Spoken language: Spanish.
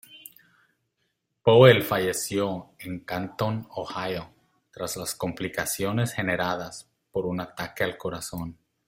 Powell falleció en Canton, Ohio, tras las complicaciones generadas por un ataque al corazón.